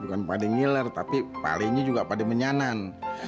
bukan pada ngiler tapi palingnya juga pada menyanan